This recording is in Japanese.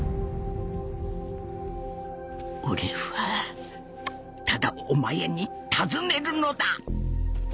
おれはただお前に尋ねるのだ。